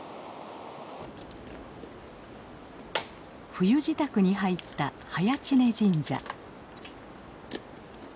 冬支度に入った早池峰神社。